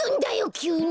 きゅうに！